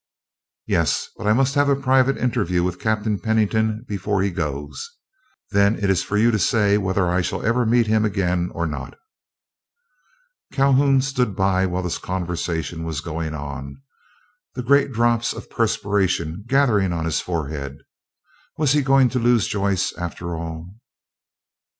"Yes, but I must have a private interview with Captain Pennington before he goes. Then it is for you to say whether I shall ever meet him again or not." Calhoun stood by while this conversation was going on, the great drops of perspiration gathering on his forehead. Was he going to lose Joyce after all?